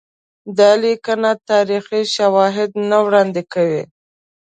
دا لیکنه تاریخي شواهد نه وړاندي کوي.